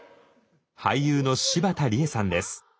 俳優の柴田理恵さんです。